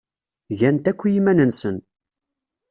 Gan-t akk i yiman-nsen.